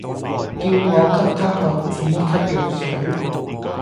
叫我給她喝止咳藥水